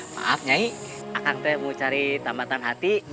maaf nyai aku mau cari tempatan hati